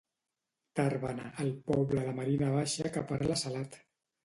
Tàrbena, el poble de la Marina Baixa que parla salat.